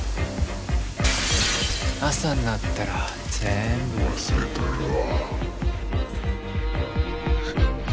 朝になったらぜんぶ忘れとるわ